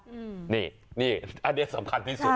อันนี้สำคัญที่สุด